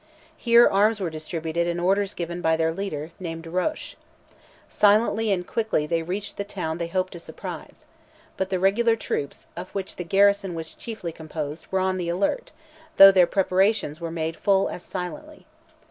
Here arms were distributed and orders given by their leader, named Roche. Silently and quickly they reached the town they hoped to surprise. But the regular troops, of which the garrison was chiefly composed, were on the alert, though their preparations were made full as silently.